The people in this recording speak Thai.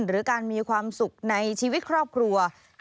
หรือการมีความสุขในชีวิตครอบครัว